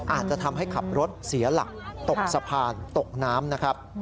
อาจจะทำให้ขับรถเสียหลักตกสะพานตกน้ำนะครับ